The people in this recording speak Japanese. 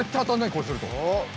こうすると。